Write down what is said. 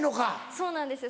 そうなんですよ